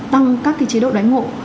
tăng các cái chế độ đại ngộ